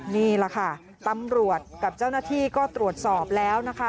นี่แหละค่ะตำรวจกับเจ้าหน้าที่ก็ตรวจสอบแล้วนะคะ